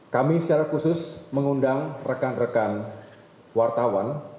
kami secara khusus mengundang rekan rekan wartawan